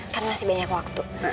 kan masih banyak waktu